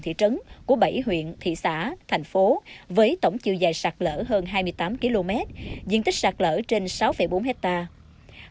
thị trấn của bảy huyện thị xã thành phố với tổng chiều dài sạc lỡ hơn hai mươi tám km diện tích sạc lỡ trên sáu bốn hectare